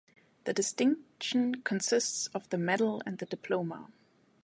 The distinction consists of the medal and the diploma.